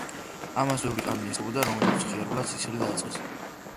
ამას ბევრი კამი ესწრებოდა, რომელთაც მხიარულად სიცილი დაიწყეს.